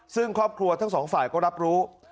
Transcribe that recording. ซึ่งครอบครัวทั้งสองฝ่ายก็รับรู้